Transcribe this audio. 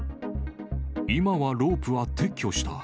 今はロープは撤去した。